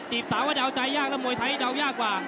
ถามว่าเดาใจยากแล้วมวยไทยเดายากกว่า